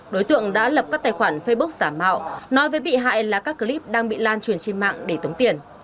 đối tượng đã lập các tài khoản facebook giả mạo nói với bị hại là các clip đang bị lan truyền trên mạng để tống tiền